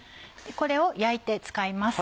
これを焼いて使います。